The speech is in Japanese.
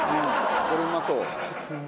これうまそう。